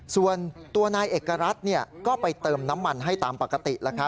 ส่วนตัวนายเอกรัฐก็ไปเติมน้ำมันให้ตามปกติ